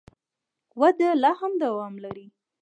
وده لا هم دوام لري.